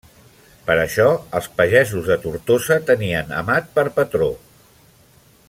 Per això, els pagesos de Tortosa tenien Amat per patró.